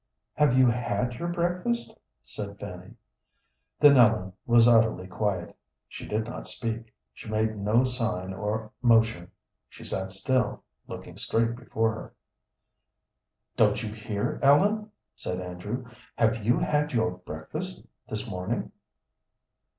"Have you had your breakfast?" said Fanny. Then Ellen was utterly quiet. She did not speak; she made no sign or motion. She sat still, looking straight before her. "Don't you hear, Ellen?" said Andrew. "Have you had your breakfast this morning?"